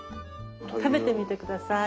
食べてみて下さい。